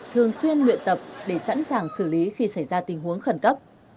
thường xuyên luyện tập để sẵn sàng xử lý khi xảy ra tình huống khẩn cấp